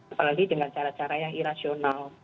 apalagi dengan cara cara yang irasional